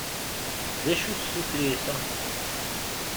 D acu-tt tutlayt-a?